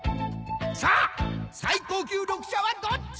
さあ最高級緑茶はどっち！？